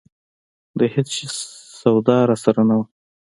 د هېڅ شي سودا راسره نه وه.